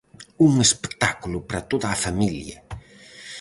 Un espectáculo para toda a familia.